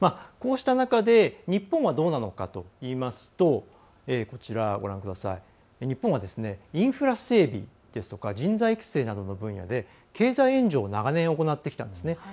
こうした中で日本はどうなのかといいますと日本はインフラ整備ですとか人材育成などの分野で経済援助を長年、行ってきたんですね。